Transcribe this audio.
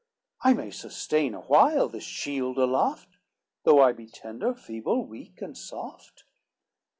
I may sustain awhile this shield aloft, Though I be tender, feeble, weak and soft.